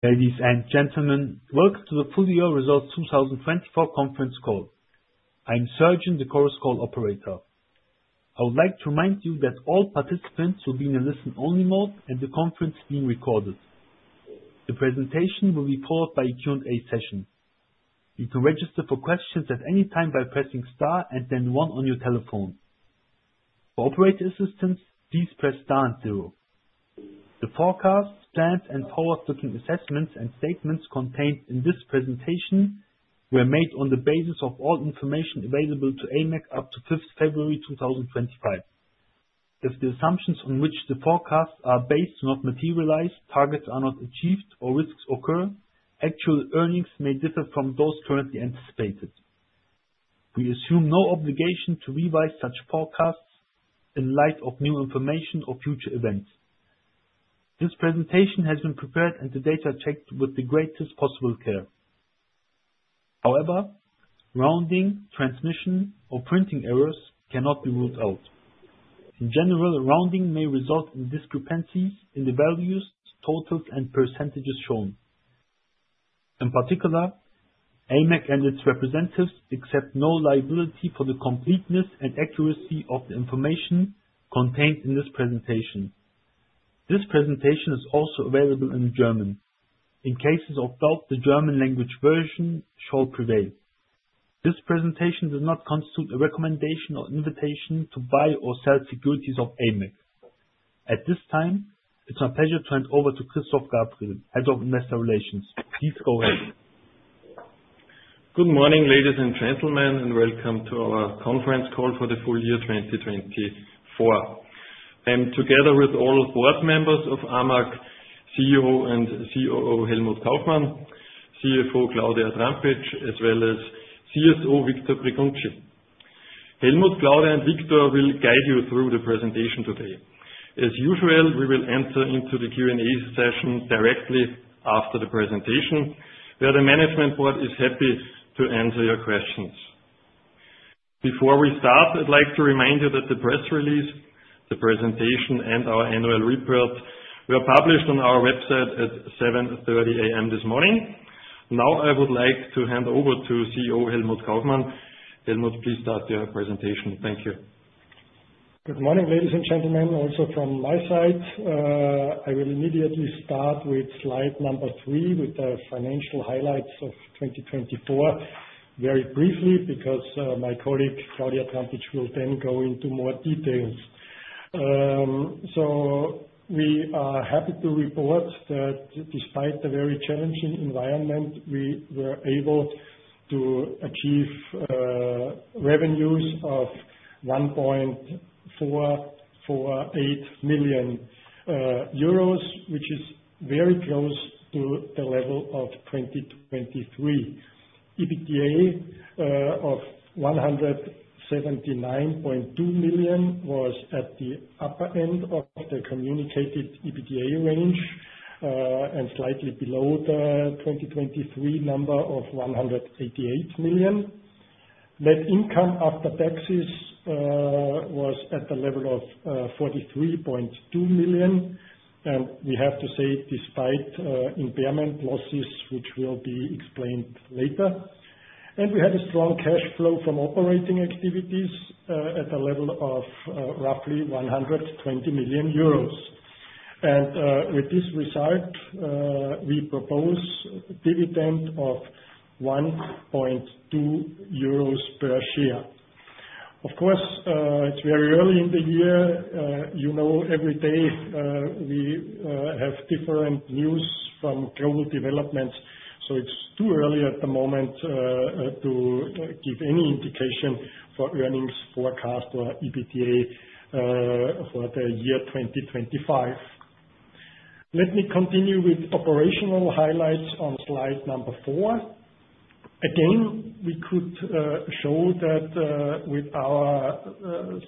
Ladies and gentlemen, welcome to the Full Year Results 2024 Conference Call. I am Sergeant, the Chorus Call operator. I would like to remind you that all participants will be in a listen-only mode, and the conference is being recorded. The presentation will be followed by a Q&A session. You can register for questions at any time by pressing star and then one on your telephone. For operator assistance, please press star and zero. The forecast, planned, and forward-looking assessments and statements contained in this presentation were made on the basis of all information available to AMAG up to 5th February 2025. If the assumptions on which the forecasts are based do not materialize, targets are not achieved, or risks occur, actual earnings may differ from those currently anticipated. We assume no obligation to revise such forecasts in light of new information or future events. This presentation has been prepared and the data checked with the greatest possible care. However, rounding, transmission, or printing errors cannot be ruled out. In general, rounding may result in discrepancies in the values, totals, and percentages shown. In particular, AMAG and its representatives accept no liability for the completeness and accuracy of the information contained in this presentation. This presentation is also available in German. In cases of doubt, the German language version shall prevail. This presentation does not constitute a recommendation or invitation to buy or sell securities of AMAG. At this time, it's my pleasure to hand over to Christoph Gabriel, Head of Investor Relations. Good Morning, ladies and gentlemen, and welcome to our conference call for the full year 2024. I am together with all board members of AMAG, CEO and COO Helmut Kaufmann, CFO Claudia Trampitsch, as well as CSO Victor Breguncci. Helmut, Claudia, and Victor will guide you through the presentation today. As usual, we will enter into the Q&A session directly after the presentation, where the management board is happy to answer your questions. Before we start, I'd like to remind you that the press release, the presentation, and our annual report were published on our website at 7:30 A.M. this morning. Now, I would like to hand over to CEO Helmut Kaufmann. Helmut, please start your presentation. Thank you. Good morning, ladies and gentlemen, also from my side, I will immediately start with slide number three with the financial highlights of 2024, very briefly, because my colleague Claudia Trampitsch will then go into more details, so we are happy to report that despite the very challenging environment, we were able to achieve revenues of 1.448 million euros, which is very close to the level of 2023. EBITDA of 179.2 million was at the upper end of the communicated EBITDA range and slightly below the 2023 number of 188 million. Net income after taxes was at the level of 43.2 million, and we have to say, despite impairment losses, which will be explained later, and we had a strong cash flow from operating activities at the level of roughly 120 million euros, and with this result, we propose a dividend of 1.2 euros per share. Of course, it's very early in the year. You know, every day we have different news from global developments, so it's too early at the moment to give any indication for earnings forecast or EBITDA for the year 2025. Let me continue with operational highlights on slide number four. Again, we could show that with our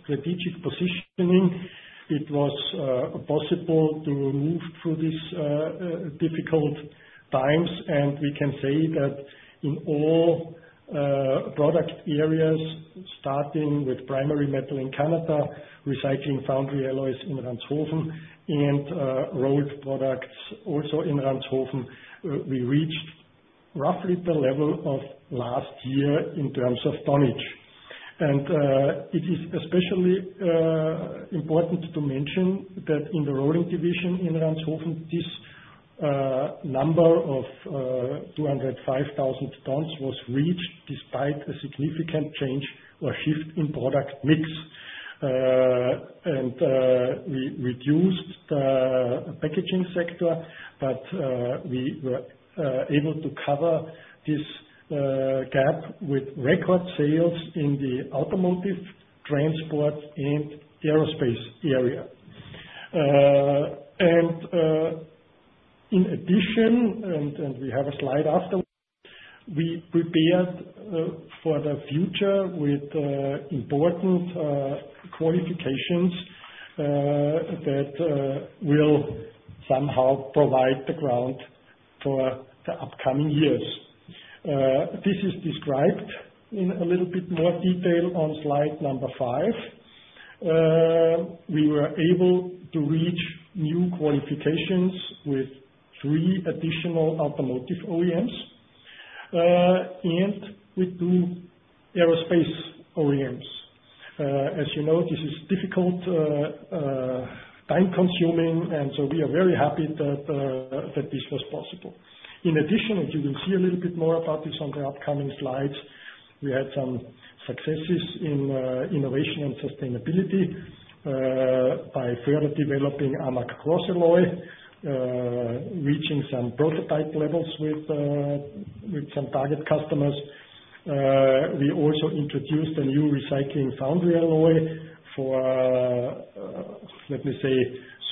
strategic positioning, it was possible to move through these difficult times, and we can say that in all product areas, starting with primary metal in Canada, recycling foundry alloys in Ranshofen, and rolled products also in Ranshofen, we reached roughly the level of last year in terms of tonnage, and it is especially important to mention that in the rolling division in Ranshofen, this number of 205,000 tons was reached despite a significant change or shift in product mix. We reduced the packaging sector, but we were able to cover this gap with record sales in the automotive, transport, and aerospace area. In addition, we have a slide after. We prepared for the future with important qualifications that will somehow provide the ground for the upcoming years. This is described in a little bit more detail on slide number five. We were able to reach new qualifications with three additional automotive OEMs and with two aerospace OEMs. As you know, this is difficult, time-consuming, and so we are very happy that this was possible. In addition, as you will see a little bit more about this on the upcoming slides, we had some successes in innovation and sustainability by further developing AMAG CrossAlloy, reaching some prototype levels with some target customers. We also introduced a new recycling foundry alloy for, let me say,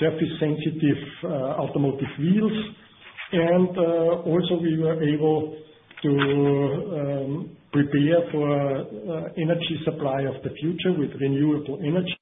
surface-sensitive automotive wheels, and also we were able to prepare for energy supply of the future with renewable energy.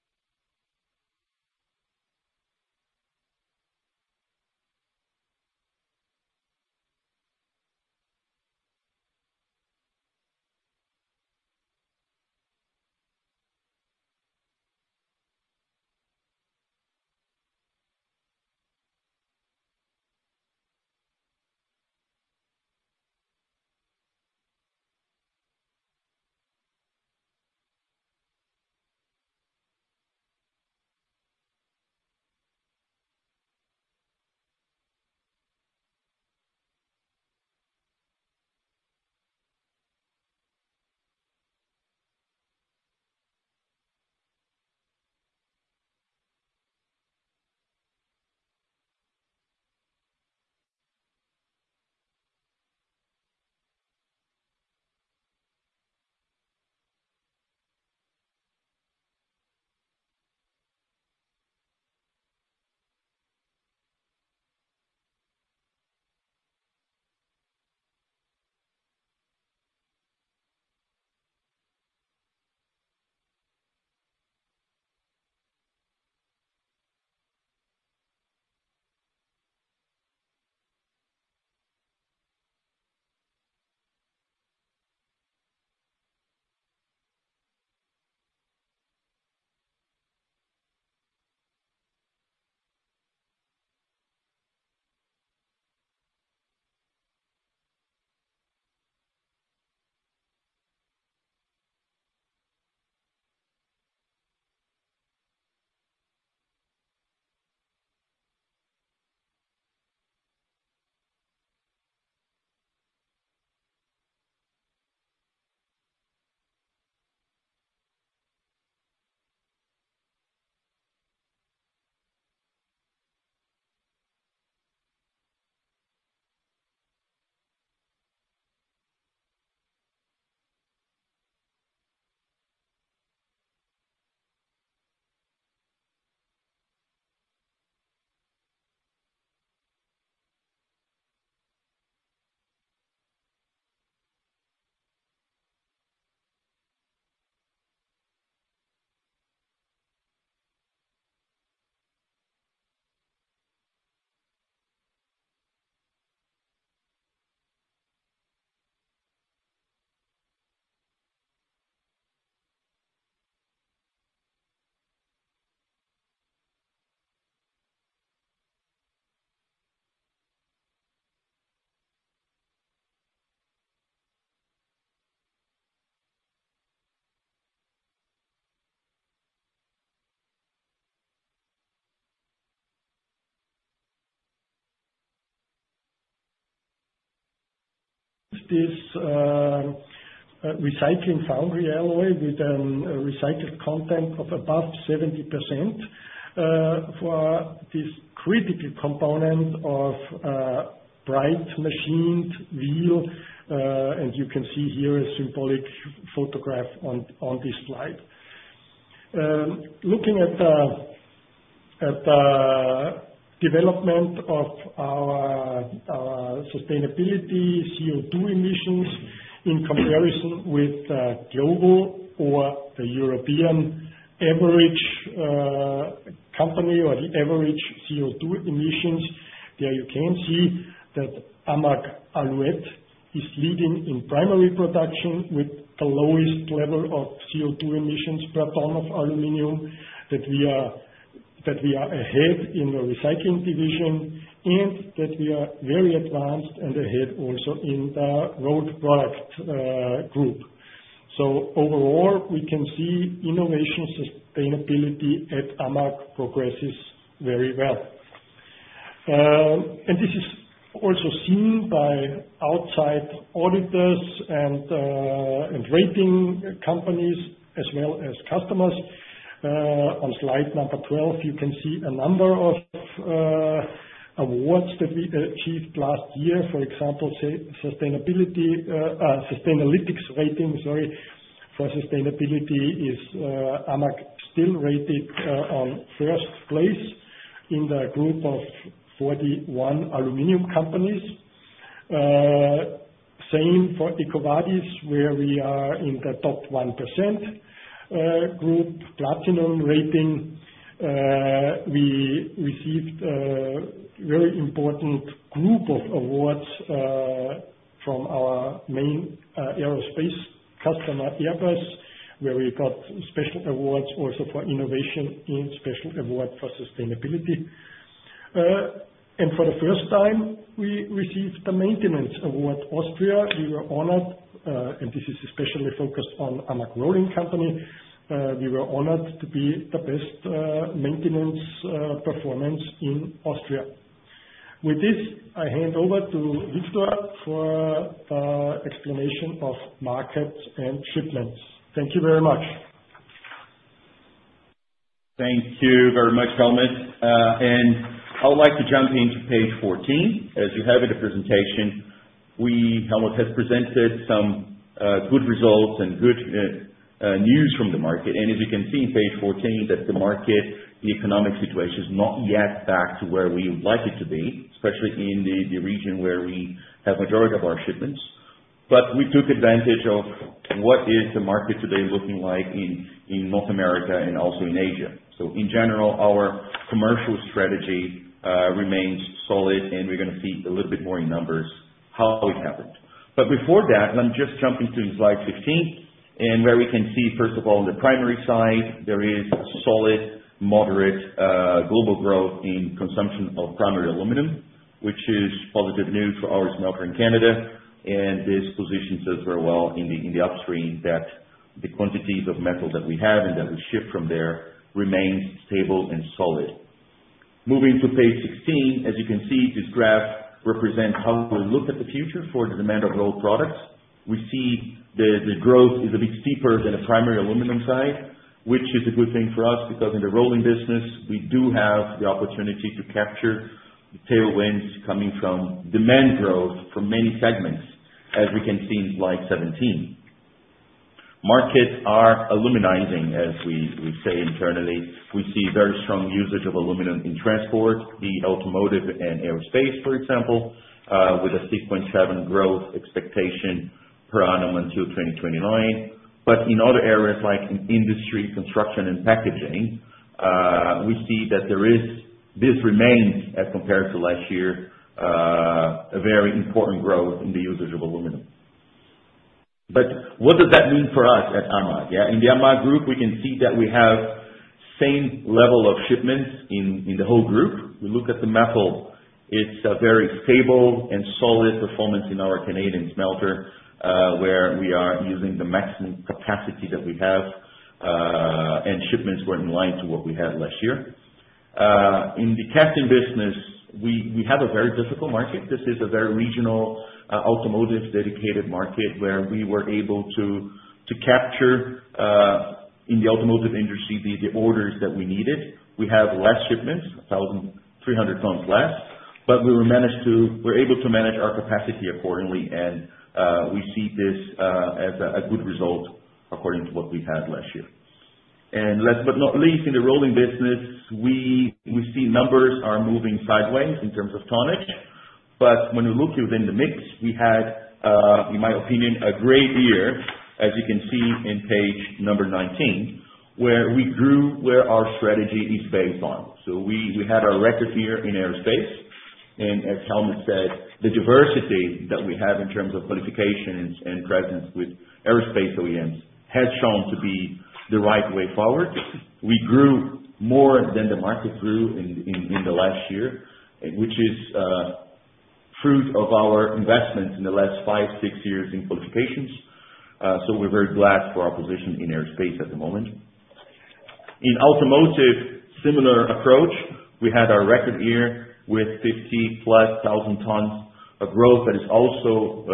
This recycling foundry alloy with a recycled content of above 70% for this critical component of bright machined wheel, and you can see here a symbolic photograph on this slide. Looking at the development of our sustainability, CO2 emissions in comparison with the global or the European average company or the average CO2 emissions, there you can see that AMAG Alouette is leading in primary production with the lowest level of CO2 emissions per ton of aluminum, that we are ahead in the recycling division, and that we are very advanced and ahead also in the rolled product group, so overall we can see innovation sustainability at AMAG progresses very well. This is also seen by outside auditors and rating companies as well as customers. On slide number 12, you can see a number of awards that we achieved last year. For example, sustainalytics rating, sorry, for sustainability is AMAG still rated on first place in the group of 41 aluminium companies. Same for EcoVadis, where we are in the top 1% group. Platinum rating, we received a very important group of awards from our main aerospace customer, Airbus, where we got special awards also for innovation and special award for sustainability. For the first time, we received the maintenance award, Austria. We were honored, and this is especially focused on AMAG rolling company. We were honored to be the best maintenance performance in Austria. With this, I hand over to Victor for the explanation of markets and shipments. Thank you very much. Thank you very much, Helmut. I would like to jump into page 14. As you have in the presentation, Helmut has presented some good results and good news from the market. As you can see in page 14, that the market, the economic situation is not yet back to where we would like it to be, especially in the region where we have the majority of our shipments. We took advantage of what is the market today looking like in North America and also in Asia. In general, our commercial strategy remains solid, and we're going to see a little bit more in numbers how it happened. But before that, let me just jump into slide 15, and where we can see, first of all, on the primary side, there is a solid moderate global growth in consumption of primary aluminum, which is positive news for our smelter in Canada. And this positions us very well in the upstream that the quantities of metal that we have and that we ship from there remain stable and solid. Moving to page 16, as you can see, this graph represents how we look at the future for the demand of rolled products. We see the growth is a bit steeper than the primary aluminum side, which is a good thing for us because in the rolling business, we do have the opportunity to capture tailwinds coming from demand growth from many segments, as we can see in slide 17. Markets are aluminizing, as we say internally. We see very strong usage of aluminum in transport, the automotive and aerospace, for example, with a 6.7% growth expectation per annum until 2029. But in other areas like industry, construction, and packaging, we see that there is, this remains as compared to last year, a very important growth in the usage of aluminum. But what does that mean for us at AMAG? Yeah, in the AMAG group, we can see that we have the same level of shipments in the whole group. We look at the metal. It's a very stable and solid performance in our Canadian smelter, where we are using the maximum capacity that we have, and shipments were in line to what we had last year. In the casting business, we have a very difficult market. This is a very regional automotive dedicated market where we were able to capture in the automotive industry the orders that we needed. We have less shipments, 1,300 tons less, but we were able to manage our capacity accordingly, and we see this as a good result according to what we had last year. And last but not least, in the rolling business, we see numbers are moving sideways in terms of tonnage. But when we look within the mix, we had, in my opinion, a great year, as you can see in page number 19, where we grew where our strategy is based on. So we had a record year in aerospace. And as Helmut said, the diversity that we have in terms of qualifications and presence with aerospace OEMs has shown to be the right way forward. We grew more than the market grew in the last year, which is fruit of our investments in the last five, six years in qualifications, so we're very glad for our position in aerospace at the moment. In automotive, similar approach. We had our record year with 50+ thousand tons of growth that is also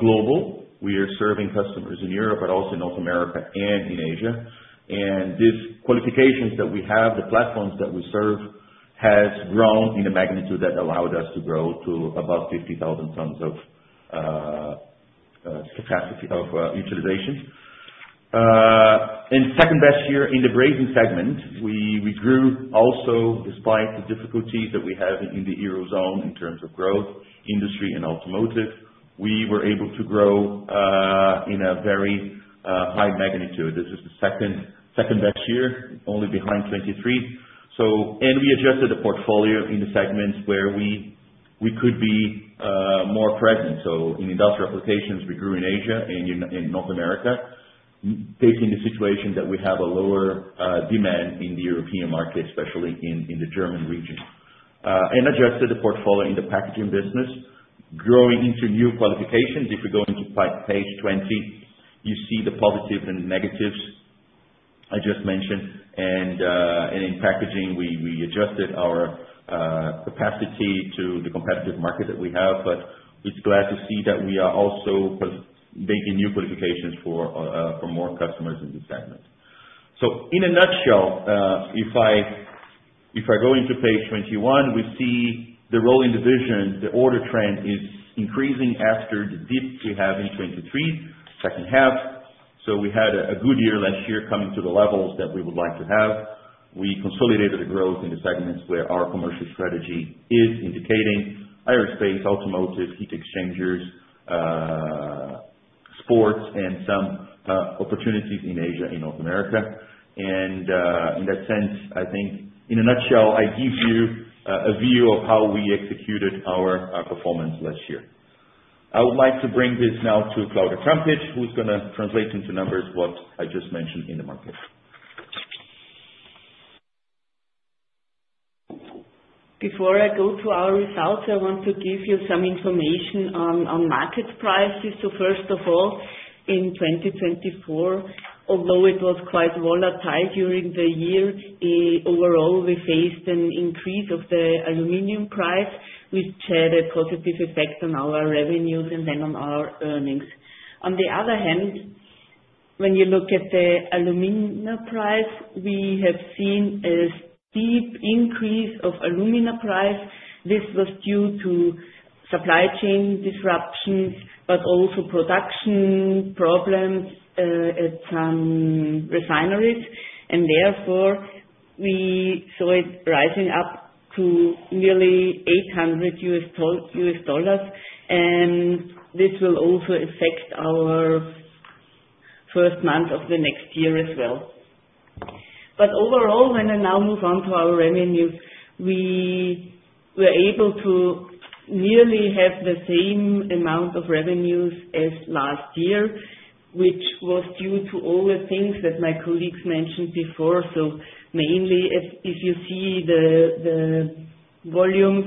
global. We are serving customers in Europe, but also in North America and in Asia. And these qualifications that we have, the platforms that we serve, have grown in a magnitude that allowed us to grow to about 50,000 tons of capacity of utilization. In second best year in the brazing segment, we grew also despite the difficulties that we have in the Eurozone in terms of growth, industry, and automotive. We were able to grow in a very high magnitude. This is the second best year, only behind 2023. And we adjusted the portfolio in the segments where we could be more present. So in industrial applications, we grew in Asia and in North America, taking the situation that we have a lower demand in the European market, especially in the German region. And adjusted the portfolio in the packaging business, growing into new qualifications. If we go into page 20, you see the positives and negatives I just mentioned. And in packaging, we adjusted our capacity to the competitive market that we have, but it's good to see that we are also making new qualifications for more customers in this segment. So in a nutshell, if I go into page 21, we see the rolling division, the order trend is increasing after the dip we have in 2023, second half. So we had a good year last year coming to the levels that we would like to have. We consolidated the growth in the segments where our commercial strategy is indicating: aerospace, automotive, heat exchangers, sports, and some opportunities in Asia and North America, and in that sense, I think in a nutshell, I give you a view of how we executed our performance last year. I would like to bring this now to Claudia Trampitsch, who's going to translate into numbers what I just mentioned in the market. Before I go to our results, I want to give you some information on market prices. So first of all, in 2024, although it was quite volatile during the year, overall, we faced an increase of the aluminum price, which had a positive effect on our revenues and then on our earnings. On the other hand, when you look at the aluminum price, we have seen a steep increase of aluminum price. This was due to supply chain disruptions, but also production problems at some refineries. And therefore, we saw it rising up to nearly $800. And this will also affect our first month of the next year as well. But overall, when I now move on to our revenues, we were able to nearly have the same amount of revenues as last year, which was due to all the things that my colleagues mentioned before. So mainly, if you see the volumes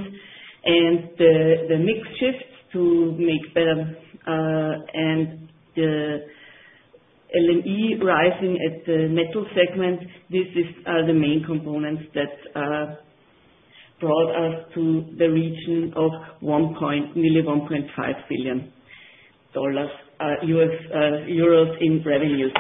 and the mix shifts to make better and the LME rising at the metal segment, these are the main components that brought us to the region of nearly EUR 1.5 billion in revenues.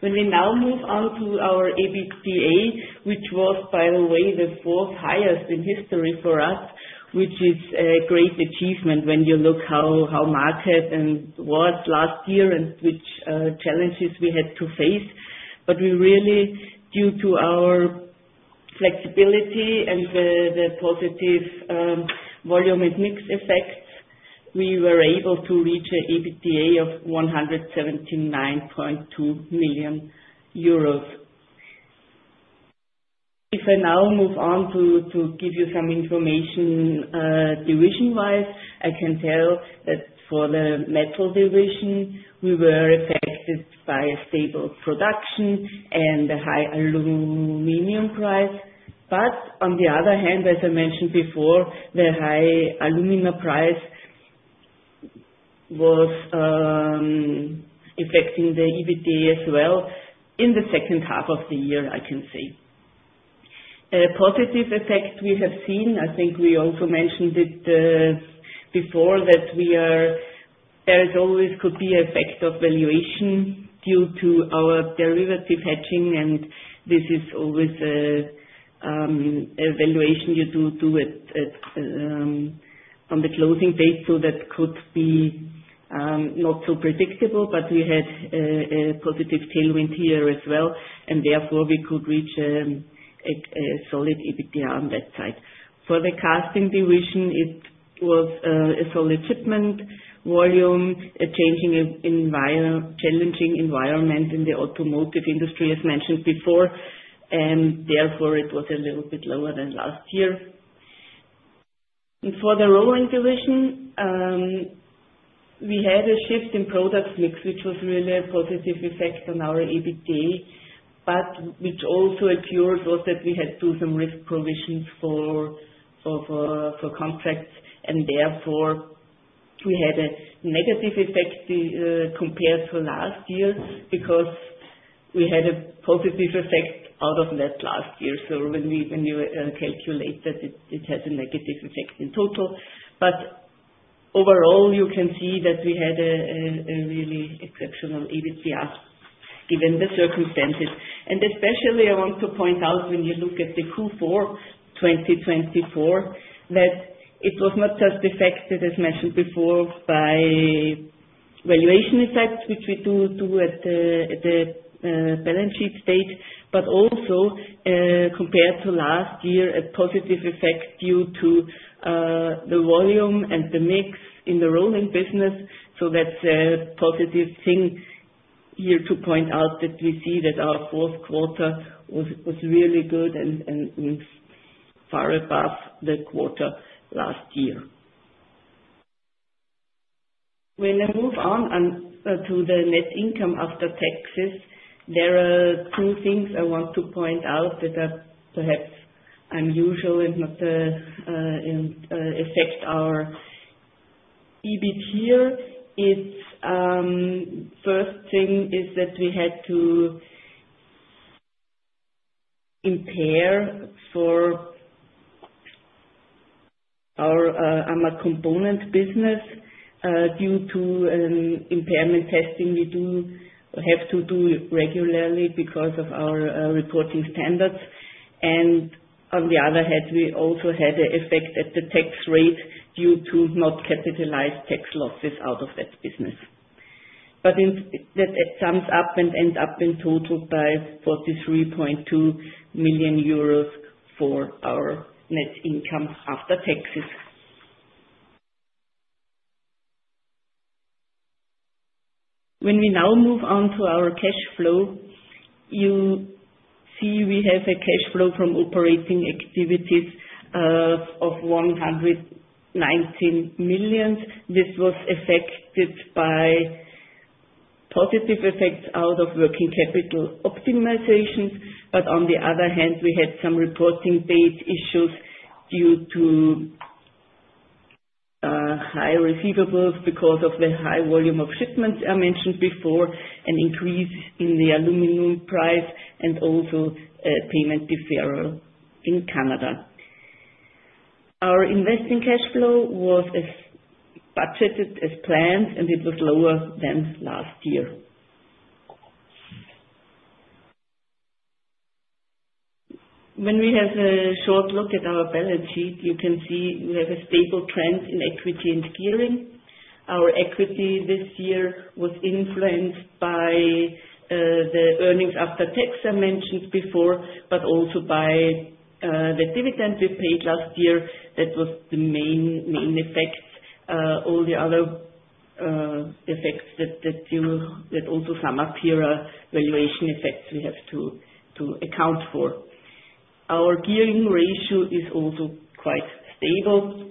When we now move on to our EBITDA, which was, by the way, the fourth highest in history for us, which is a great achievement when you look at how market and what last year and which challenges we had to face. But we really, due to our flexibility and the positive volume and mix effects, we were able to reach an EBITDA of 179.2 million euros. If I now move on to give you some information division-wise, I can tell that for the metal division, we were affected by stable production and the high aluminum price. But on the other hand, as I mentioned before, the high aluminum price was affecting the EBITDA as well in the second half of the year, I can say. A positive effect we have seen, I think we also mentioned it before, that there always could be an effect of evaluation due to our derivative hedging, and this is always a evaluation you do on the closing date. So that could be not so predictable, but we had a positive tailwind here as well, and therefore we could reach a solid EBITDA on that side. For the casting division, it was a solid shipment volume, a challenging environment in the automotive industry, as mentioned before, and therefore it was a little bit lower than last year. For the rolling division, we had a shift in product mix, which was really a positive effect on our EBITDA, but which also occurred was that we had to do some risk provisions for contracts, and therefore we had a negative effect compared to last year because we had a positive effect out of that last year. When you calculate that, it has a negative effect in total. Overall, you can see that we had a really exceptional EBITDA given the circumstances. Especially, I want to point out when you look at the Q4 2024, that it was not just affected, as mentioned before, by valuation effects, which we do at the balance sheet stage, but also compared to last year, a positive effect due to the volume and the mix in the rolling business. That's a positive thing here to point out that we see that our fourth quarter was really good and far above the quarter last year. When I move on to the net income after taxes, there are two things I want to point out that are perhaps unusual and affect our EBITDA. First thing is that we had to impair for our AMAG component business due to impairment testing we have to do regularly because of our reporting standards. And on the other hand, we also had an effect at the tax rate due to not capitalized tax losses out of that business. But that sums up and ends up in total by 43.2 million euros for our net income after taxes. When we now move on to our cash flow, you see we have a cash flow from operating activities of 119 million. This was affected by positive effects out of working capital optimizations. But on the other hand, we had some reporting-based issues due to high receivables because of the high volume of shipments I mentioned before, an increase in the aluminium price, and also payment deferral in Canada. Our investing cash flow was as budgeted as planned, and it was lower than last year. When we have a short look at our balance sheet, you can see we have a stable trend in equity and gearing. Our equity this year was influenced by the earnings after tax I mentioned before, but also by the dividend we paid last year. That was the main effect. All the other effects that also sum up here are evaluation effects we have to account for. Our gearing ratio is also quite stable.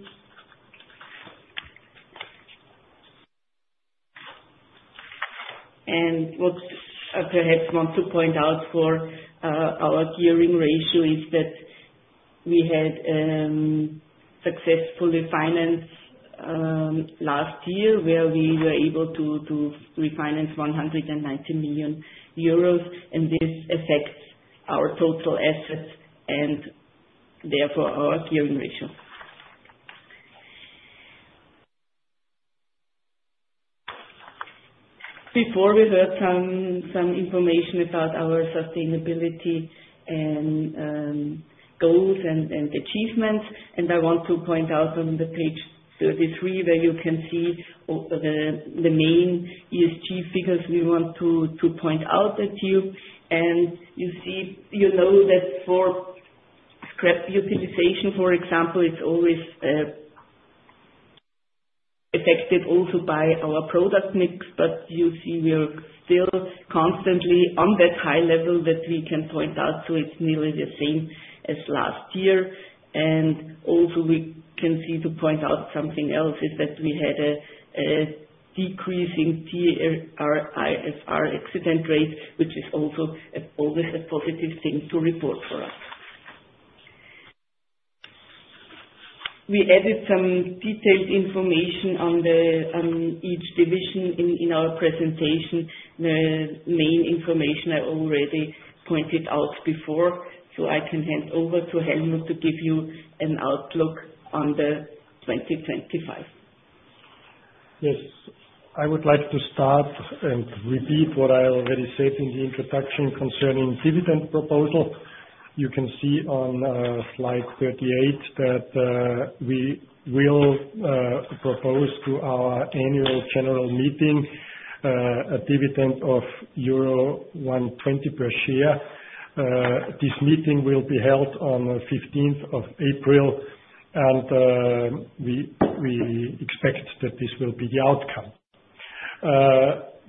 What I perhaps want to point out for our gearing ratio is that we had successful refinance last year, where we were able to refinance 119 million euros, and this affects our total assets and therefore our gearing ratio. Before, we heard some information about our sustainability and goals and achievements. I want to point out on page 33, where you can see the main ESG figures we want to point out at you. You know that for scrap utilization, for example, it's always affected also by our product mix. But you see we're still constantly on that high level that we can point out. So it's nearly the same as last year. Also we can see to point out something else is that we had a decrease in TRIFR injury rate, which is also always a positive thing to report for us. We added some detailed information on each division in our presentation. The main information I already pointed out before. So I can hand over to Helmut to give you an outlook on the 2025. Yes. I would like to start and repeat what I already said in the introduction concerning dividend proposal. You can see on slide 38 that we will propose to our annual general meeting a dividend of euro 120 per share. This meeting will be held on the 15th of April, and we expect that this will be the outcome.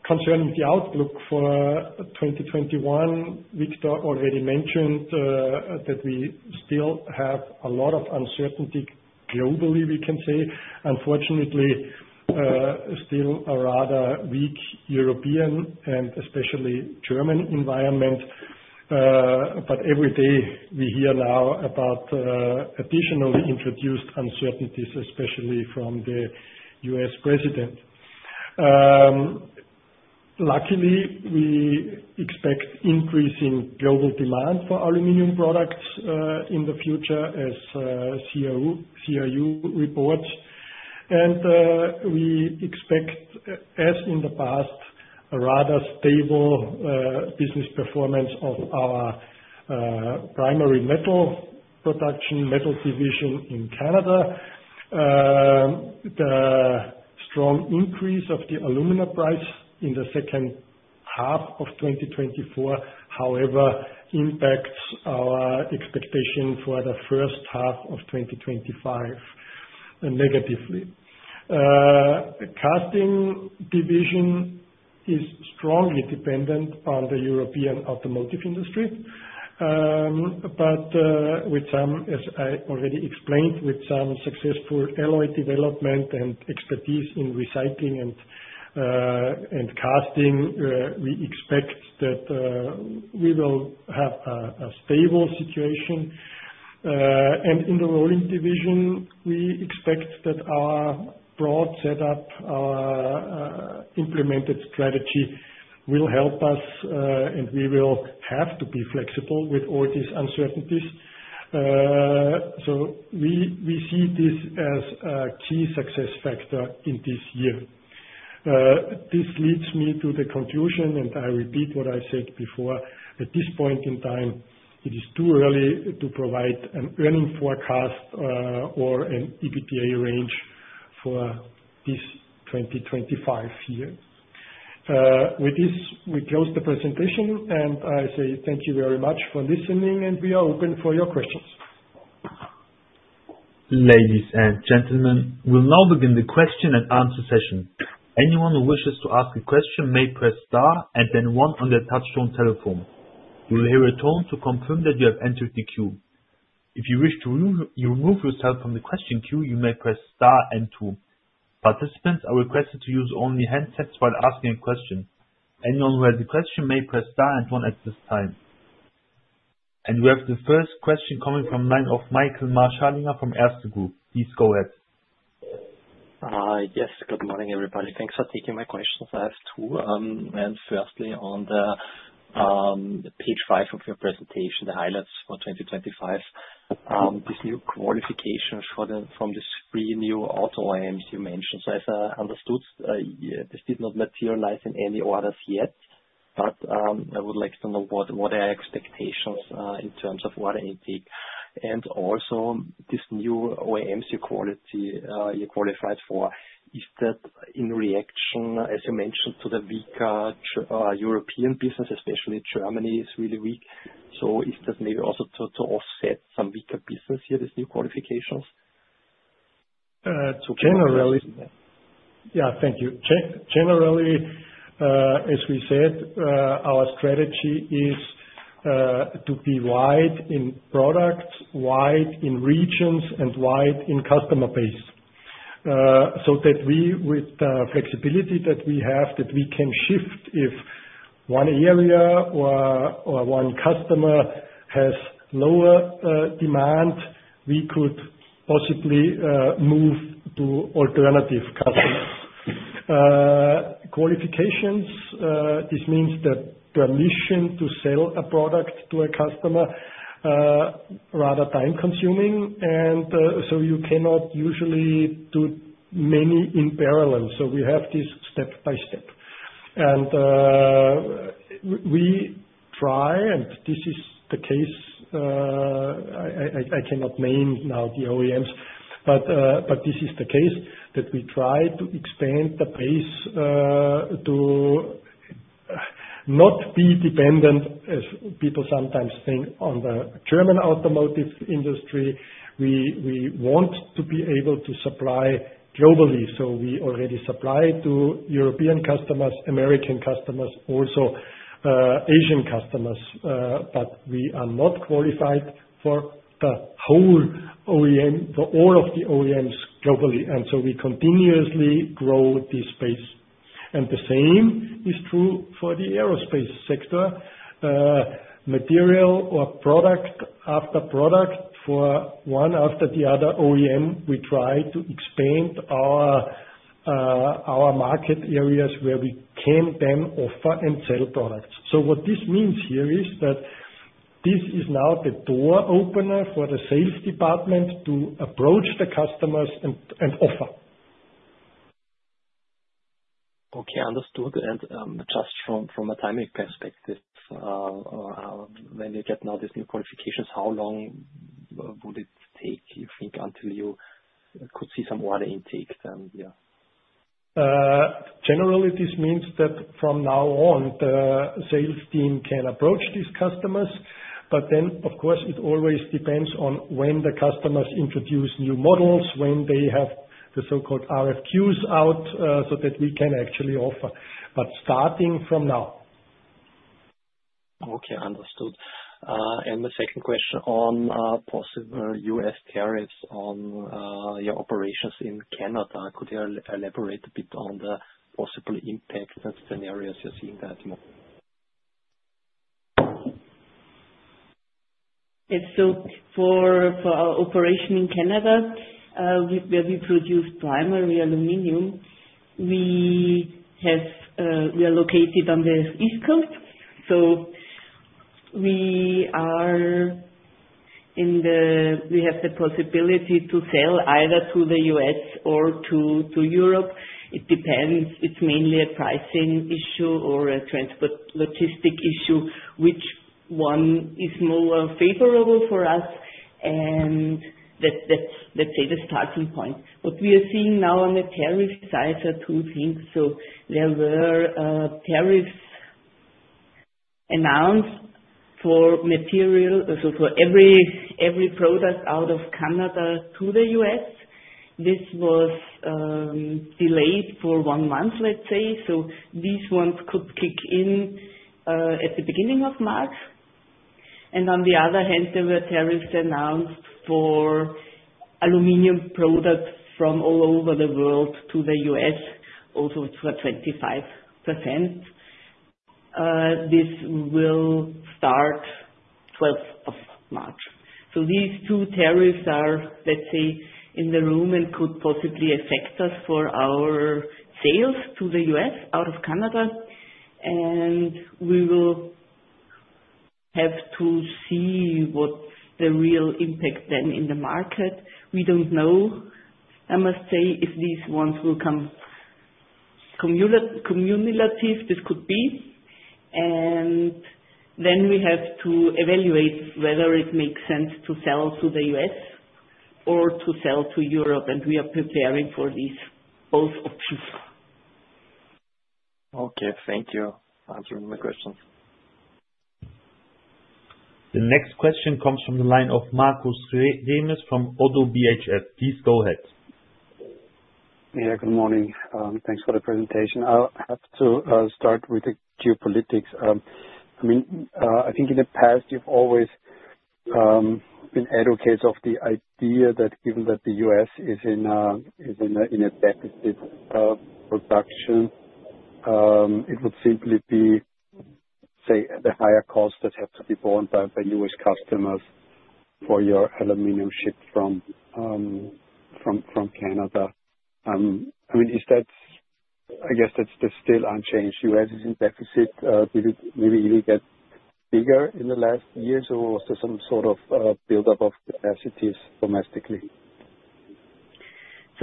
Concerning the outlook for 2021, Victor already mentioned that we still have a lot of uncertainty globally, we can say. Unfortunately, still a rather weak European and especially German environment, but every day we hear now about additional introduced uncertainties, especially from the U.S. president. Luckily, we expect increasing global demand for aluminum products in the future, as CRU reports, and we expect, as in the past, a rather stable business performance of our primary metal production, metal division in Canada. The strong increase of the aluminum price in the second half of 2024, however, impacts our expectation for the first half of 2025 negatively. The casting division is strongly dependent on the European automotive industry, but with some, as I already explained, with some successful alloy development and expertise in recycling and casting, we expect that we will have a stable situation, and in the rolling division, we expect that our broad setup, our implemented strategy will help us, and we will have to be flexible with all these uncertainties, so we see this as a key success factor in this year. This leads me to the conclusion, and I repeat what I said before. At this point in time, it is too early to provide an earnings forecast or an EBITDA range for this 2025 year. With this, we close the presentation, and I say thank you very much for listening, and we are open for your questions. Ladies and gentlemen, we'll now begin the question and answer session. Anyone who wishes to ask a question may press star and then one on their touchscreen telephone. You will hear a tone to confirm that you have entered the queue. If you wish to remove yourself from the question queue, you may press star and two. Participants are requested to use only handsets while asking a question. Anyone who has a question may press star and one at this time, and we have the first question coming from the line of Michael Marschallinger from Erste Group. Please go ahead. Yes. Good morning, everybody. Thanks for taking my questions. I have two, and firstly, on page five of your presentation, the highlights for 2025, these new qualifications from these three new auto OEMs you mentioned, so as I understood, this did not materialize in any orders yet, but I would like to know what are your expectations in terms of order intake. And also, this new OEMs you qualified for, is that in reaction, as you mentioned, to the weaker European business, especially Germany is really weak, so is that maybe also to offset some weaker business here, these new qualifications? Generally. Yeah, thank you. Generally, as we said, our strategy is to be wide in products, wide in regions, and wide in customer base. So that with the flexibility that we have, that we can shift if one area or one customer has lower demand, we could possibly move to alternative customers. Qualifications, this means the permission to sell a product to a customer, rather time-consuming, and so you cannot usually do many in parallel. So we have this step by step. And we try, and this is the case. I cannot name now the OEMs, but this is the case that we try to expand the base to not be dependent, as people sometimes think, on the German automotive industry. We want to be able to supply globally. So, we already supply to European customers, American customers, also Asian customers, but we are not qualified for the whole OEM, all of the OEMs globally. And so we continuously grow this base. And the same is true for the aerospace sector. Material or product after product, for one after the other OEM, we try to expand our market areas where we can then offer and sell products. So what this means here is that this is now the door opener for the sales department to approach the customers and offer. Okay. Understood. And just from a timing perspective, when you get now these new qualifications, how long would it take, you think, until you could see some order intake? Yeah. Generally, this means that from now on, the sales team can approach these customers. But then, of course, it always depends on when the customers introduce new models, when they have the so-called RFQs out, so that we can actually offer. But starting from now. Okay. Understood, and the second question on possible U.S. tariffs on your operations in Canada. Could you elaborate a bit on the possible impact and scenarios you're seeing that? Yes, so for our operation in Canada, where we produce primary aluminum, we are located on the East Coast, so we have the possibility to sell either to the U.S. or to Europe. It depends. It's mainly a pricing issue or a transport logistic issue, which one is more favorable for us, and that's the starting point. What we are seeing now on the tariff side are two things, so there were tariffs announced for material, so for every product out of Canada to the U.S. This was delayed for one month, let's say, so these ones could kick in at the beginning of March, and on the other hand, there were tariffs announced for aluminum products from all over the world to the U.S., also for 25%. This will start 12th of March. So these two tariffs are, let's say, in the room and could possibly affect us for our sales to the U.S. out of Canada. And we will have to see what's the real impact then in the market. We don't know, I must say, if these ones will come cumulative. This could be. And then we have to evaluate whether it makes sense to sell to the U.S. or to sell to Europe. And we are preparing for these both options. Okay. Thank you for answering my questions. The next question comes from the line of Markus Remis from ODDO BHF. Please go ahead. Yeah. Good morning. Thanks for the presentation. I'll have to start with the geopolitics. I mean, I think in the past, you've always been advocates of the idea that given that the U.S. is in a production deficit, it would simply be, say, the higher costs that have to be borne by U.S. customers for your aluminium shipments from Canada. I mean, I guess that's still unchanged. The U.S. is in deficit. Did it maybe even get bigger in the last years, or was there some sort of buildup of capacities domestically?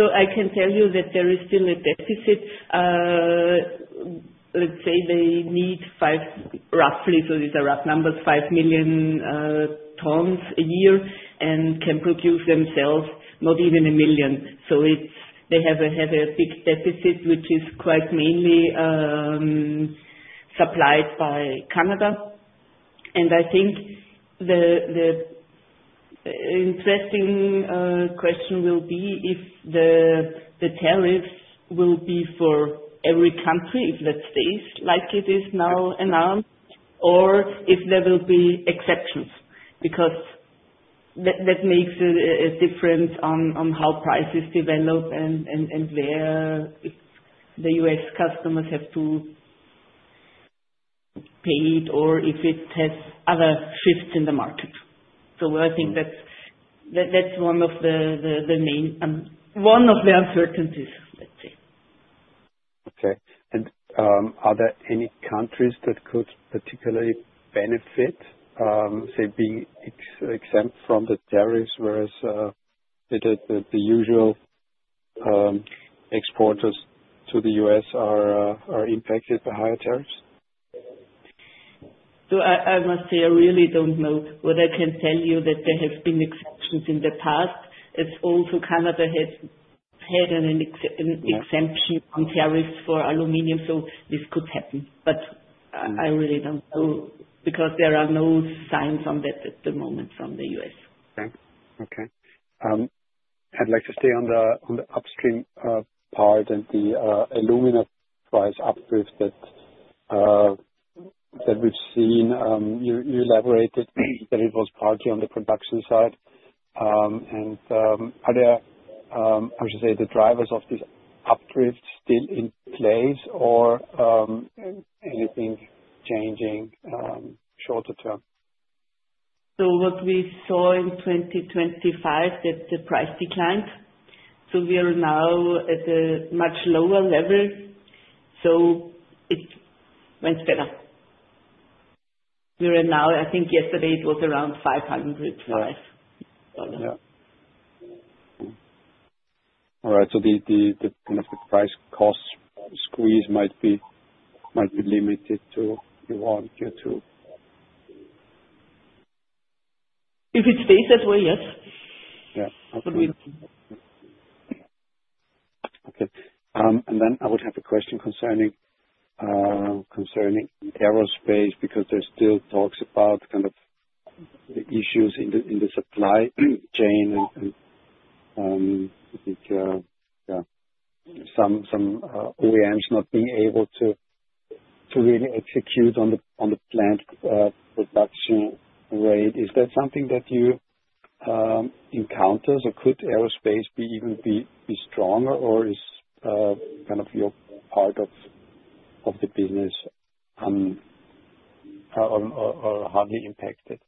I can tell you that there is still a deficit. Let's say they need roughly, so these are rough numbers, 5 million tons a year and can produce themselves not even a million. So they have a big deficit, which is quite mainly supplied by Canada. And I think the interesting question will be if the tariffs will be for every country, if that stays like it is now announced, or if there will be exceptions. Because that makes a difference on how prices develop and where the U.S. customers have to pay it, or if it has other shifts in the market. So I think that's one of the main uncertainties, let's say. Okay. And are there any countries that could particularly benefit, say, being exempt from the tariffs, whereas the usual exporters to the U.S. are impacted by higher tariffs? So I must say I really don't know. What I can tell you, that there have been exceptions in the past. It's also Canada has had an exemption on tariffs for aluminum, so this could happen. But I really don't know because there are no signs on that at the moment from the U.S. Thank you. Okay. I'd like to stay on the upstream part and the aluminum price updrift that we've seen. You elaborated that it was partly on the production side. And are there, I should say, the drivers of this updrift still in place, or anything changing shorter term? So what we saw in 2025, that the price declined. So we are now at a much lower level. So it went better. We are now, I think yesterday it was around $500. Yeah. All right. So the price-cost squeeze might be limited to Europe due to? If it stays that way, yes. Yeah. Absolutely. Okay. And then I would have a question concerning aerospace because there's still talks about kind of issues in the supply chain and, yeah, some OEMs not being able to really execute on the planned production rate. Is that something that you encounter? So could aerospace even be stronger, or is kind of your part of the business hardly impacted?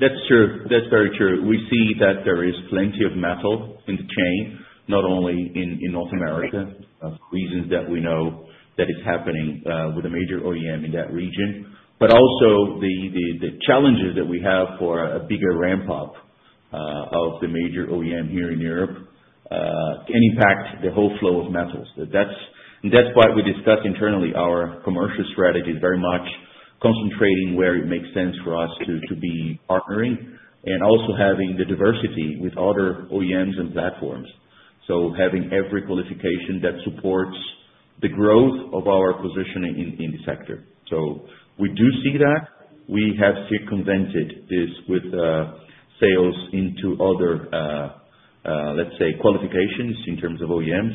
That's true. That's very true. We see that there is plenty of metal in the chain, not only in North America. Reasons that we know that it's happening with a major OEM in that region, but also the challenges that we have for a bigger ramp-up of the major OEM here in Europe can impact the whole flow of metals. That's why we discuss internally. Our commercial strategy is very much concentrating where it makes sense for us to be partnering and also having the diversity with other OEMs and platforms, so having every qualification that supports the growth of our position in the sector. We do see that. We have circumvented this with sales into other, let's say, qualifications in terms of OEMs.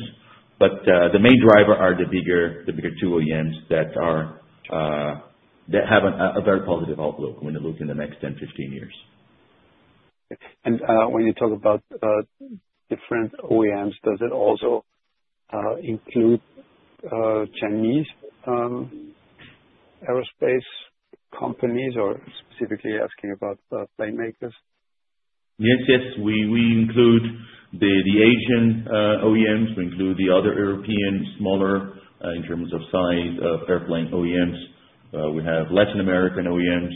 The main driver are the bigger two OEMs that have a very positive outlook when you look in the next 10, 15 years. When you talk about different OEMs, does it also include Chinese aerospace companies or specifically asking about plane makers? Yes, yes. We include the Asian OEMs. We include the other European smaller in terms of size airplane OEMs. We have Latin American OEMs.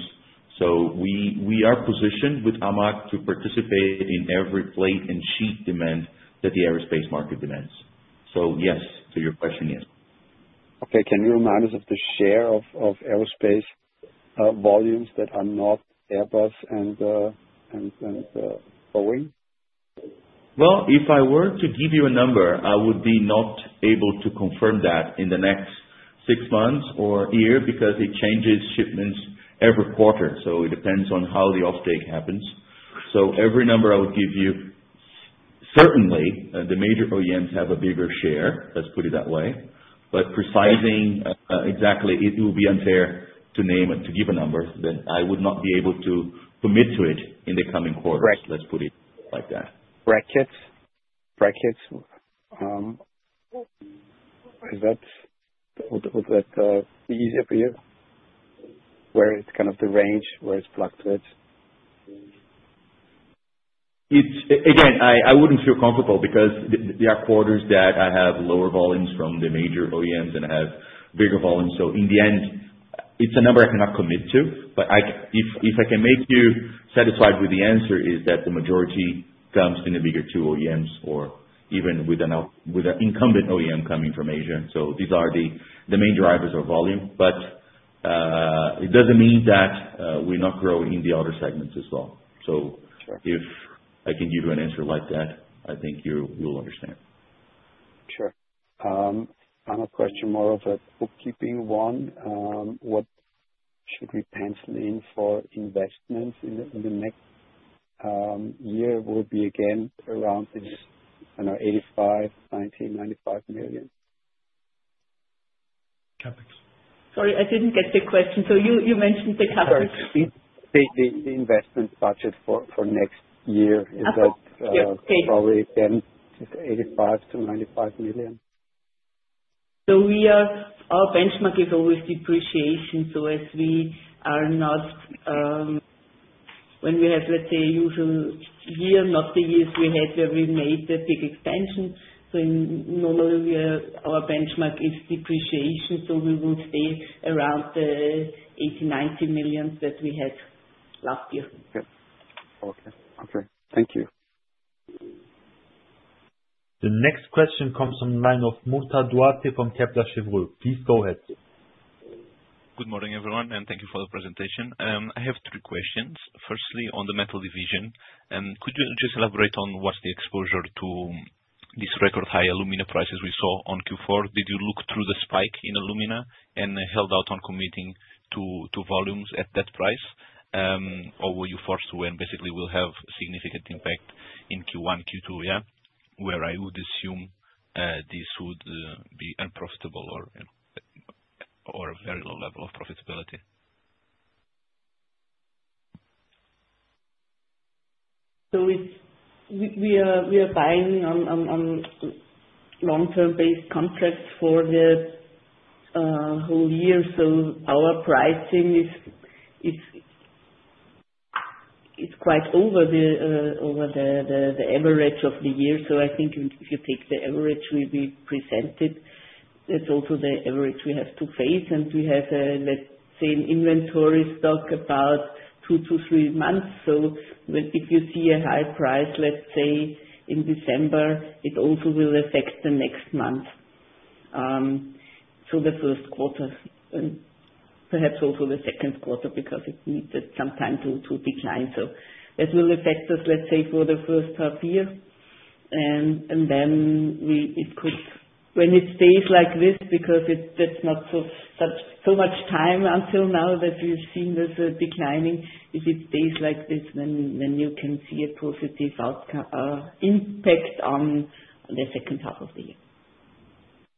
So we are positioned with AMAG to participate in every plate and sheet demand that the aerospace market demands. So yes to your question, yes. Okay. Can you remind us of the share of aerospace volumes that are not Airbus and Boeing? If I were to give you a number, I would be not able to confirm that in the next six months or year because it changes shipments every quarter. So it depends on how the offtake happens. So every number I would give you, certainly, the major OEMs have a bigger share. Let's put it that way. But pricing exactly, it will be unfair to name and to give a number that I would not be able to commit to it in the coming quarters. Let's put it like that. Brackets? Brackets. Would that be easier for you? Where it's kind of the range where it's plugged to it? Again, I wouldn't feel comfortable because there are quarters that I have lower volumes from the major OEMs and I have bigger volumes. So in the end, it's a number I cannot commit to. But if I can make you satisfied with the answer, it is that the majority comes in the bigger two OEMs or even with an incumbent OEM coming from Asia. So these are the main drivers of volume. But it doesn't mean that we're not growing in the other segments as well. So if I can give you an answer like that, I think you'll understand. Sure. Final question, more of a bookkeeping one. What should we pencil in for investments in the next year? Would it be again around this 85, 90, 95 million? Capex. Sorry, I didn't get the question. So you mentioned the CapEx. The investment budget for next year, is that probably again €85-€95 million? Our benchmark is always depreciation. As we are not when we have, let's say, a usual year, not the years we had where we made the big expansion. Normally, our benchmark is depreciation. We will stay around the €80-90 million that we had last year. Okay. Thank you. The next question comes from the line of Murta Duarte from Kepler Cheuvreux. Please go ahead. Good morning, everyone, and thank you for the presentation. I have three questions. Firstly, on the metal division, could you just elaborate on what's the exposure to this record high alumina prices we saw on Q4? Did you look through the spike in alumina and held out on committing to volumes at that price, or were you forced to when basically we'll have significant impact in Q1, Q2, where I would assume this would be unprofitable or a very low level of profitability? We are buying on long-term-based contracts for the whole year. Our pricing is quite over the average of the year. I think if you take the average we presented, it's also the average we have to face. We have, let's say, an inventory stock about two to three months. If you see a high price, let's say, in December, it also will affect the next month, so the first quarter, and perhaps also the second quarter because it needed some time to decline. That will affect us, let's say, for the first half year. Then it could, when it stays like this, because that's not so much time until now that we've seen this declining, if it stays like this, then you can see a positive impact on the second half of the year.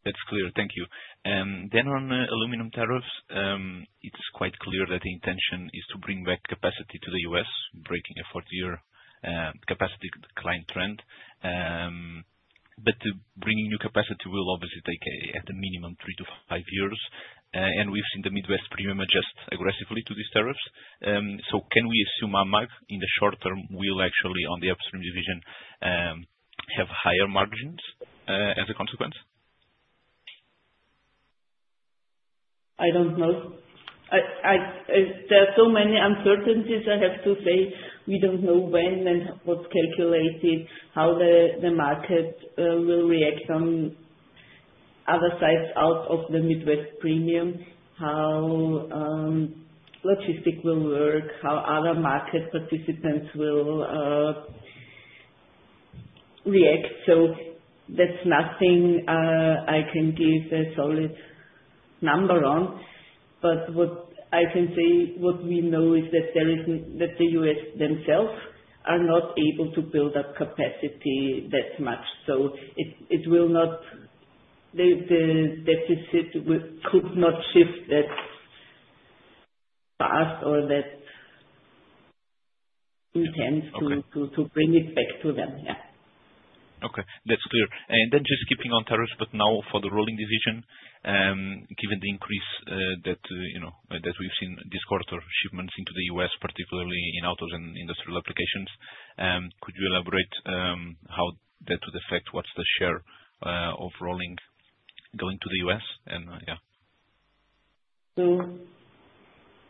That's clear. Thank you. Then on aluminum tariffs, it's quite clear that the intention is to bring back capacity to the U.S., breaking a four-year capacity decline trend. But bringing new capacity will obviously take, at a minimum, three to five years. And we've seen the Midwest Premium adjust aggressively to these tariffs. So can we assume AMAG in the short term will actually, on the upstream division, have higher margins as a consequence? I don't know. There are so many uncertainties, I have to say. We don't know when and what's calculated, how the market will react on other sites out of the Midwest Premium, how logistics will work, how other market participants will react. So that's nothing I can give a solid number on. But what I can say, what we know is that the U.S. themselves are not able to build up capacity that much. So it will not, the deficit could not shift that fast or that intense to bring it back to them. Yeah. Okay. That's clear. And then just keeping on tariffs, but now for the rolling division, given the increase that we've seen this quarter of shipments into the U.S., particularly in autos and industrial applications, could you elaborate how that would affect what's the share of rolling going to the U.S.? And yeah. So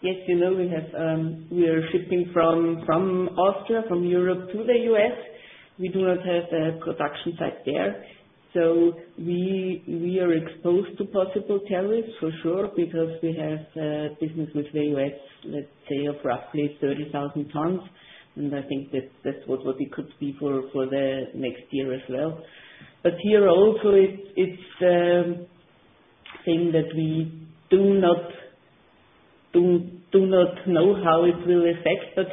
yes, we are shipping from Austria, from Europe to the US. We do not have a production site there. So we are exposed to possible tariffs, for sure, because we have business with the US, let's say, of roughly 30,000 tons. And I think that's what it could be for the next year as well. But here also, it's a thing that we do not know how it will affect. But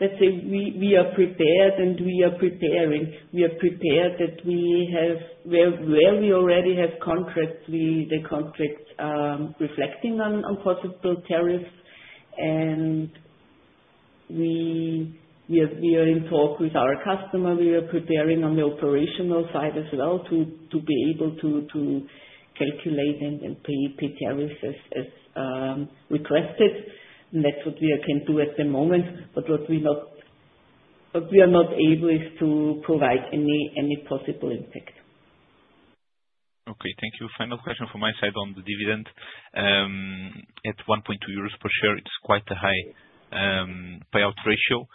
let's say we are prepared and we are preparing. We are prepared that we have where we already have contracts, the contracts reflecting on possible tariffs. And we are in talk with our customer. We are preparing on the operational side as well to be able to calculate and pay tariffs as requested. And that's what we can do at the moment. But what we are not able is to provide any possible impact. Okay. Thank you. Final question from my side on the dividend. At 1.2 euros per share, it's quite a high payout ratio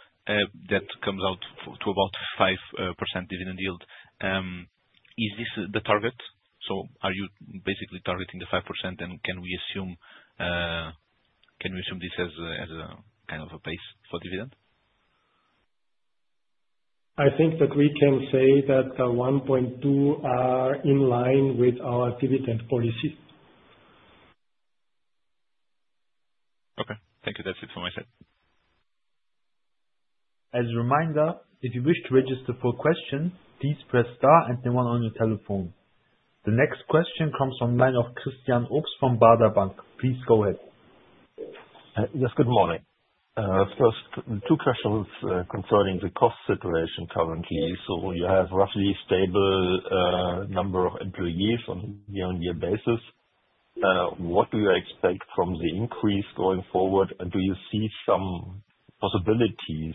that comes out to about 5% dividend yield. Is this the target? So are you basically targeting the 5%? And can we assume this as a kind of a base for dividend? I think that we can say that the 1.2 are in line with our dividend policy. Okay. Thank you. That's it from my side. As a reminder, if you wish to register for a question, please press star and the one on your telephone. The next question comes from the line of Christian Obst from Baader Bank. Please go ahead. Yes, good morning. First, two questions concerning the cost situation currently, so you have roughly stable number of employees on a year-on-year basis. What do you expect from the increase going forward, and do you see some possibilities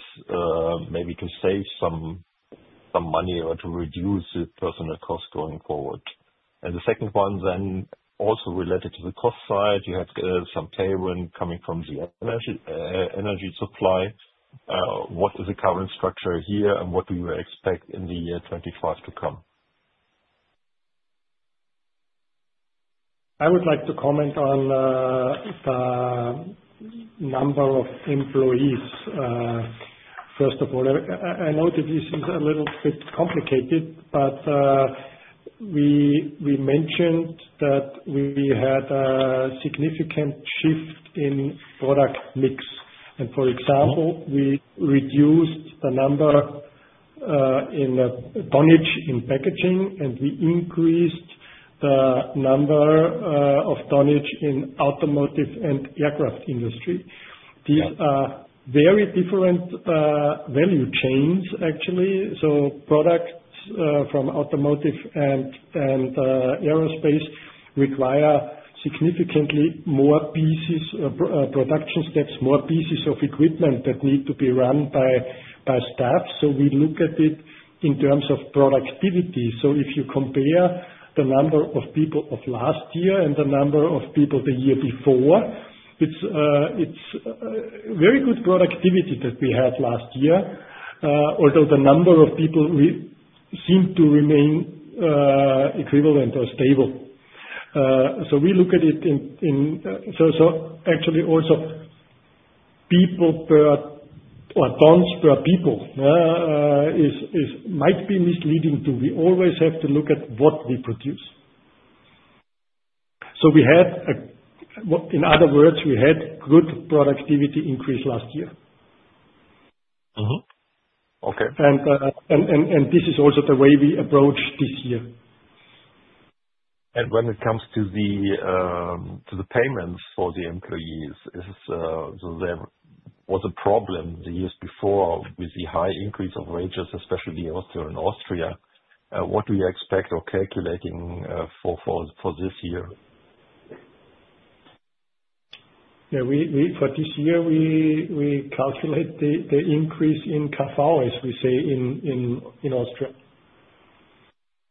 maybe to save some money or to reduce the personnel cost going forward? And the second one then also related to the cost side, you have some tailwind coming from the energy supply. What is the current structure here and what do you expect in the year 2025 to come? I would like to comment on the number of employees. First of all, I know that this is a little bit complicated, but we mentioned that we had a significant shift in product mix. And for example, we reduced the number in tonnage in packaging, and we increased the number of tonnage in automotive and aircraft industry. These are very different value chains, actually. So products from automotive and aerospace require significantly more pieces, production steps, more pieces of equipment that need to be run by staff. So we look at it in terms of productivity. So if you compare the number of people of last year and the number of people the year before, it's very good productivity that we had last year, although the number of people seemed to remain equivalent or stable. So we look at it. So actually also people per ton or tons per people might be misleading too. We always have to look at what we produce. So we had, in other words, we had good productivity increase last year. Okay. This is also the way we approach this year. When it comes to the payments for the employees, was there a problem the years before with the high increase of wages, especially here in Austria? What do you expect or calculating for this year? Yeah. For this year, we calculate the increase in half hours, we say, in Austria.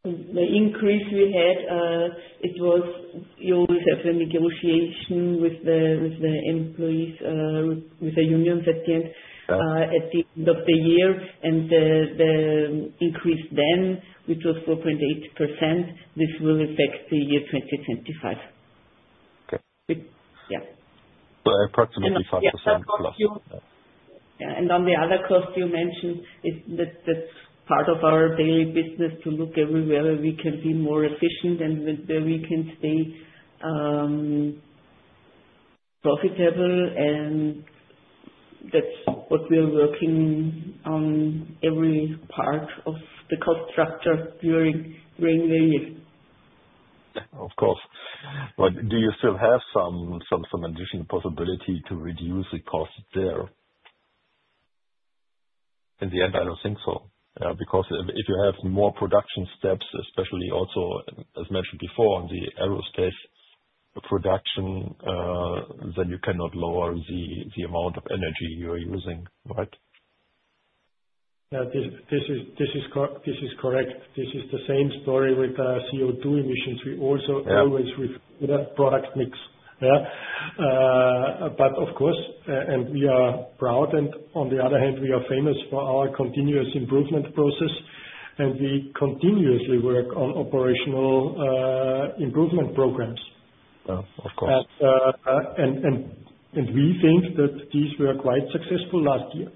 The increase we had, it was you always have a negotiation with the employees, with the unions at the end of the year, and the increase then, which was 4.8%, this will affect the year 2025. Okay, well, approximately 5%+. Yeah. And on the other cost you mentioned, that's part of our daily business to look everywhere where we can be more efficient and where we can stay profitable. And that's what we're working on every part of the cost structure during the year. Of course. But do you still have some additional possibility to reduce the cost there? In the end, I don't think so. Because if you have more production steps, especially also, as mentioned before, on the aerospace production, then you cannot lower the amount of energy you're using, right? Yeah. This is correct. This is the same story with the CO2 emissions. We also always reflect the product mix. Yeah, but of course, and we are proud, and on the other hand, we are famous for our continuous improvement process, and we continuously work on operational improvement programs. Yeah. Of course. We think that these were quite successful last year.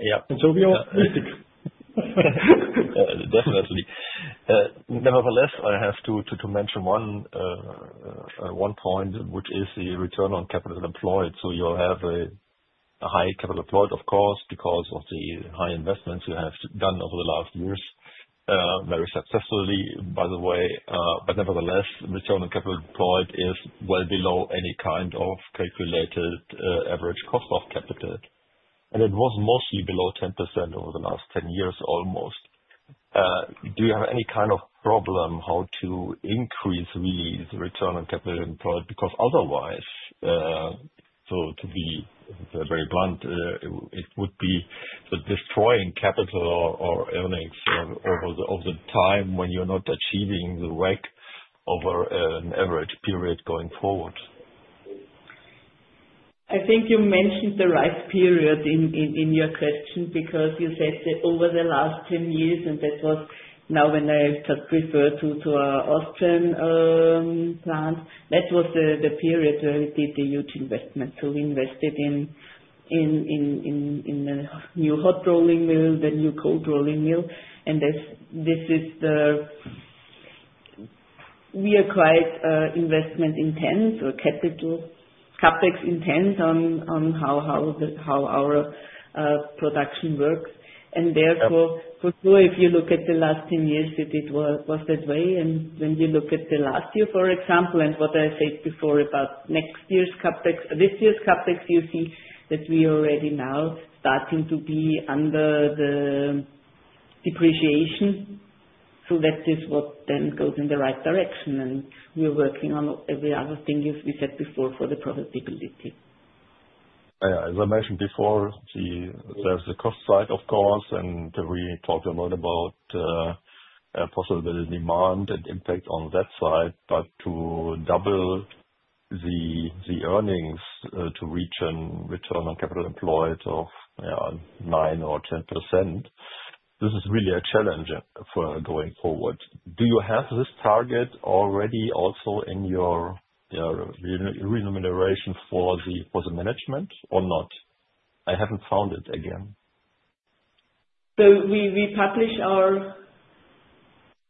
Yeah. And so we are optimistic. Definitely. Nevertheless, I have to mention one point, which is the return on capital employed. So you'll have a high capital employed, of course, because of the high investments you have done over the last years, very successfully, by the way. But nevertheless, return on capital employed is well below any kind of calculated average cost of capital, and it was mostly below 10% over the last 10 years almost. Do you have any kind of problem how to increase really the return on capital employed? Because otherwise, to be very blunt, it would be destroying capital or earnings over the time when you're not achieving the WACC over an average period going forward. I think you mentioned the right period in your question because you said that over the last 10 years, and that was now when I just referred to our Austrian plant. That was the period where we did the huge investment. So we invested in the new hot rolling mill, the new cold rolling mill. And this is, we are quite investment-intense or capital CapEx-intense on how our production works. And therefore, for sure, if you look at the last 10 years, it was that way. And when you look at the last year, for example, and what I said before about next year's CapEx, this year's CapEx, you see that we are already now starting to be under the depreciation. So that is what then goes in the right direction. And we're working on every other thing, as we said before, for the profitability. As I mentioned before, there's the cost side, of course. And we talked a lot about possible demand and impact on that side. But to double the earnings to reach a return on capital employed of 9% or 10%, this is really a challenge going forward. Do you have this target already also in your remuneration for the management or not? I haven't found it again. We publish our.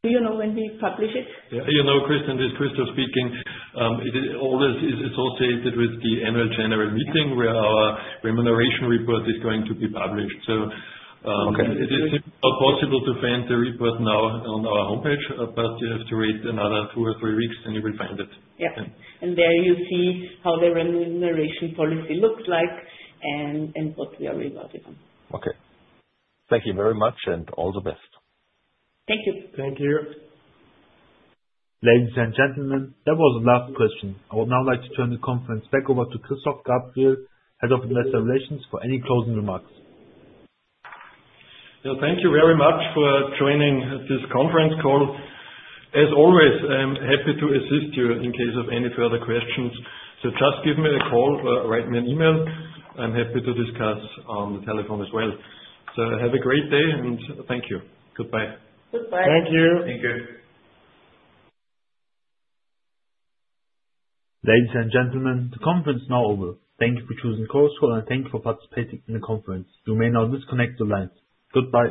Do you know when we publish it? Yeah. You know, Christian, this is Christoph speaking. All this is associated with the annual general meeting where our remuneration report is going to be published. So it is not possible to find the report now on our homepage, but you have to wait another two or three weeks, and you will find it. Yeah, and there you see how the remuneration policy looks like and what we are regarding on. Okay. Thank you very much and all the best. Thank you. Thank you. Ladies and gentlemen, that was the last question. I would now like to turn the conference back over to Christoph Gabriel, Head of Investor Relations, for any closing remarks. Thank you very much for joining this conference call. As always, I'm happy to assist you in case of any further questions. So just give me a call or write me an email. I'm happy to discuss on the telephone as well. So have a great day and thank you. Goodbye. Goodbye. Thank you. Thank you. Ladies and gentlemen, the conference is now over. Thank you for choosing Chorus Call, and thank you for participating in the conference. You may now disconnect the line. Goodbye.